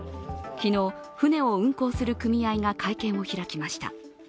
昨日、舟を運航する組合が会見を開きました。